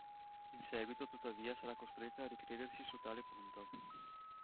In seguito tuttavia sarà costretta a ricredersi su tale punto.